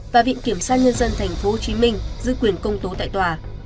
và viện kiểm sát nhân dân tp hcm giữ quyền công tố tại tòa